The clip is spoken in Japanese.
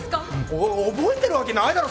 お覚えてるわけないだろ